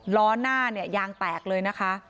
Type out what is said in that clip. ล้อหน้ายางแตกเลยนะคะ